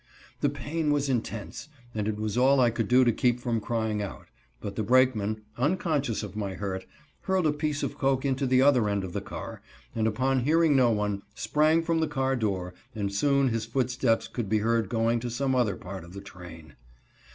The pain was intense, and it was all I could do to keep from crying out, but the brakeman, unconscious of my hurt, hurled a piece of coke into the other end of the car, and upon hearing no one, sprang from the car door, and soon his footsteps could be heard going to some other part of the train.